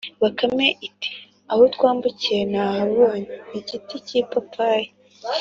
bakame iti: “aho twambukiye, nahabonye igiti k’ipapayi